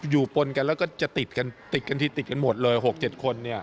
ปนกันแล้วก็จะติดกันติดกันที่ติดกันหมดเลย๖๗คน